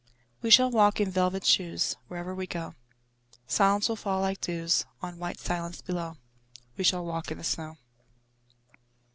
We shall walk in velvet shoes: Wherever we go Silence will fall like dews On white silence below. We shall walk in the snow.